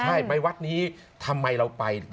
ใช่ไปวัดนี้ทำไมเราไป